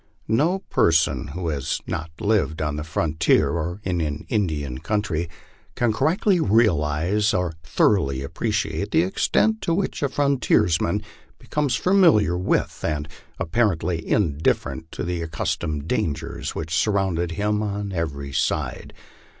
No person who has not lived on the frontier and in an Indian country, can correctly realize or thoroughly appreciate the extent to which a frontiersman becomes familiar with, and apparently indifferent to the accus tomed dangers which surround him on every side.